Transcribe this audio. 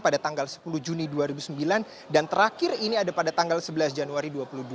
pada tanggal sepuluh juni dua ribu sembilan dan terakhir ini ada pada tanggal sebelas januari dua ribu dua puluh